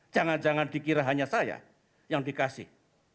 jangan jangan dikira hanya saya yang dikasih